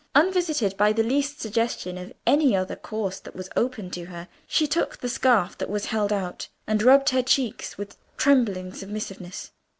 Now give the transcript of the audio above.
Unvisited by the least suggestion of any other course that was open to her, she took the scarf that was held out, and rubbed her cheeks, with trembling submissiveness.